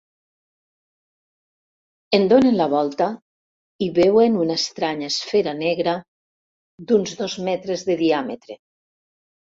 En donen la volta i veuen una estranya esfera negra, d'uns dos metres de diàmetre.